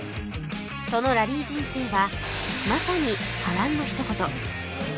そのラリー人生はまさに「波乱」の一言